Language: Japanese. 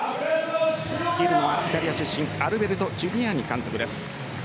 率いるのはイタリア出身アルベルト・ジュリアーニ監督です。